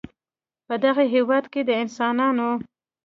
په دغه هېواد کې د انسانانو